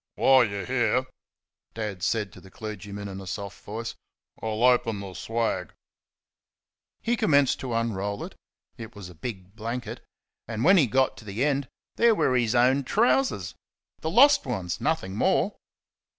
"While you are here," Dad said to the clergyman, in a soft voice, "I'll open the swag." He commenced to unroll it it was a big blanket and when he got to the end there were his own trousers the lost ones, nothing more.